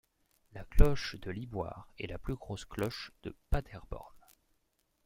La 'cloche de Liboire' est la plus grosse cloche de Paderborn.